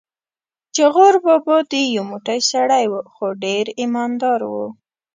چې غور بابا دې یو موټی سړی و، خو ډېر ایمان دار و.